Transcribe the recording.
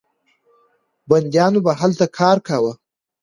بندیانو به هلته کار کاوه.